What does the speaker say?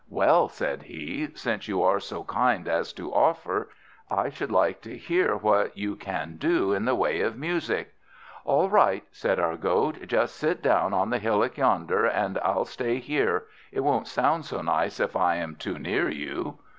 "Well," said he, "since you are so kind as to offer, I should like to hear what you can do in the way of music." "All right," said our Goat, "just sit down on that hillock yonder, and I'll stay here; it won't sound so nice if I am too near you."